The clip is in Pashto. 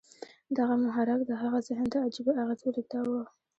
دغه محرک د هغه ذهن ته عجيبه اغېز ولېږداوه.